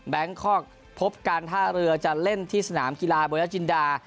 คอกพบการท่าเรือจะเล่นที่สนามกีฬาโบราจินดา